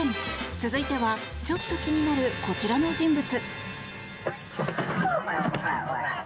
続いてはちょっと気になるこちらの人物。